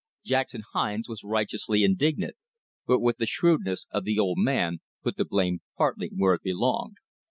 Jackson Hines was righteously indignant, but with the shrewdness of the old man, put the blame partly where it belonged.